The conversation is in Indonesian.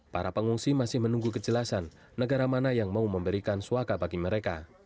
para pengungsi masih menunggu kejelasan negara mana yang mau memberikan suaka bagi mereka